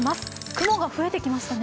雲が増えてきましたね。